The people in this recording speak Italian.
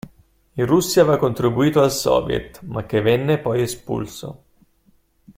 In Russia aveva contribuito al soviet ma che venne poi espulso.